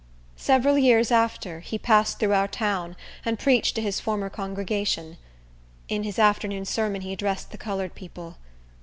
Several years after, he passed through our town and preached to his former congregation. In his afternoon sermon he addressed the colored people.